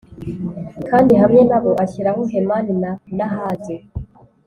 Kandi hamwe na bo ashyiraho Hemani na Nahadi